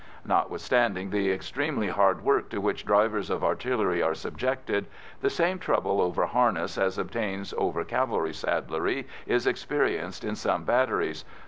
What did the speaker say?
Notwithstanding the extremely hard work to which drivers of artillery are subjected, the same trouble over harness as obtains over cavalry saddlery is experienced in some batteries.